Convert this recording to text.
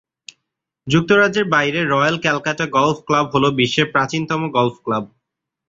যুক্তরাজ্যের বাইরে Royal Calcutta Golf Club হল বিশ্বের প্রাচীনতম গলফ ক্লাব।